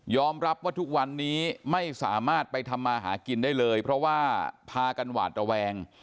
รับว่าทุกวันนี้ไม่สามารถไปทำมาหากินได้เลยเพราะว่าพากันหวาดระแวง